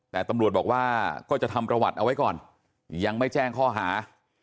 แต่ตำรวจบอกว่าก็จะทำประวัติเอาไว้ก่อนยังไม่แจ้งข้อหา